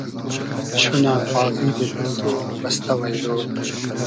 شونۂ آغیلی دیل تو بئستۂ وݷرۉ